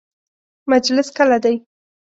مجلس کله دی؟